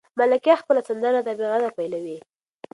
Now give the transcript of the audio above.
ملکیار خپله سندره له طبیعته پیلوي.